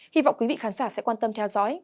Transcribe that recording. hy vọng quý vị khán giả sẽ quan tâm theo dõi